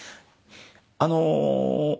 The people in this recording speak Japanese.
あの。